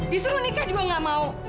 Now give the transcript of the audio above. disuruh nikah juga gak mau